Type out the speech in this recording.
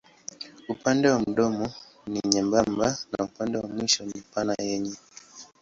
Upande wa mdomo ni nyembamba na upande wa mwisho ni pana yenye.